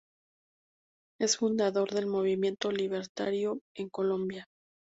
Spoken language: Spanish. Es fundador del Movimiento Libertario en Colombia.